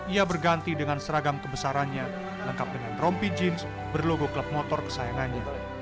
ia berganti dengan seragam kebesarannya lengkap dengan rompi jeans berlogo klub motor kesayangannya